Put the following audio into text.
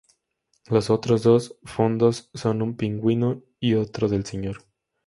Los otros dos fondos son un pingüino y otro del Sr.